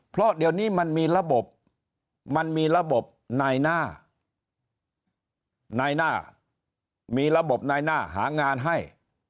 เพราะเดี๋ยวนี้มันมีระบบในหน้าหางานให้